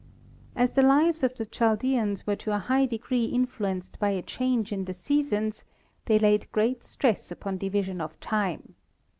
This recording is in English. As the lives of the Chaldeans were to a high degree influenced by a change in the seasons, they laid great stress upon division of time.